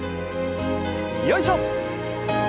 よいしょ！